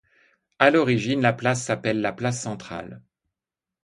À l'origine, la place s'appelle la Place centrale.